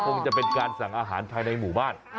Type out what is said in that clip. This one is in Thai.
คงจะเป็นการสั่งอาหารภายในหมู่บ้าน